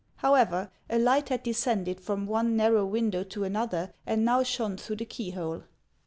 However, a light had descended from one narrow win dow to another, and now shone through the key hole.